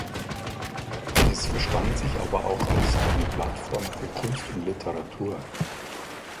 Es verstand sich aber auch als eine Plattform für Kunst und Literatur.